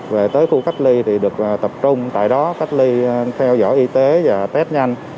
về tới khu cách ly thì được tập trung tại đó cách ly theo dõi y tế và test nhanh